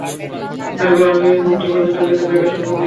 তারপরও আমি এই মুহূর্ত পর্যন্ত বেঁচে থাকার শপথ নিয়েছিলাম।